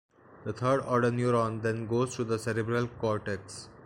The third order neuron then goes to the cerebral cortex.